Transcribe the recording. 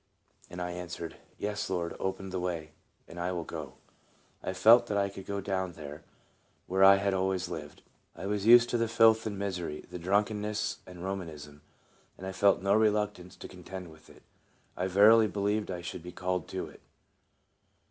And I answered, "Yes, Lord, open the way, and I will go." I felt that I could go down there where I had always lived. I was used to the filth and misery, the drunkenness and Romanism, and I felt no reluctance to con tend with it. I verily believed I should be called to it.